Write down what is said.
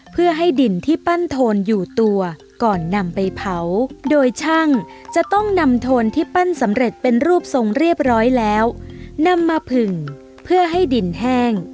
เพื่อให้ดินที่ปั้นโทนอยู่ตัวก่อนนำไปเผาโดยช่างจะต้องนำโทนที่ปั้นสำเร็จเป็นรูปทรงเรียบร้อยแล้วนำมาผึ่งเพื่อให้ดินแห้ง